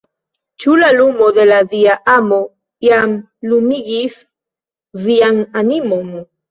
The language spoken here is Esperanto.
Ĉu la lumo de la Dia amo jam lumigis vian animon?